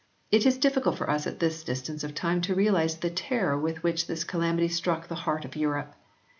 It is difficult for us at this distance of time to realise the terror with which this calamity struck the heart of Europe.